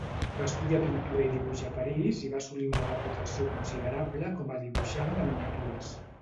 Va estudiar pintura i dibuix a París i va assolir una reputació considerable com a dibuixant de miniatures.